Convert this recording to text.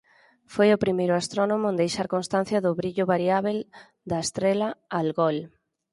Foi o primeiro astrónomo en deixar constancia do brillo variábel da estrela Algol.